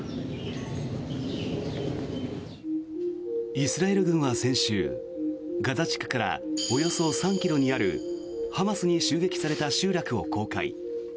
イスラエル軍は先週ガザ地区からおよそ３ｋｍにあるハマスに襲撃された集落を公開。